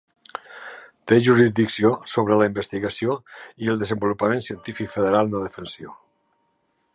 Té jurisdicció sobre la investigació i el desenvolupament científic federal no defensiu.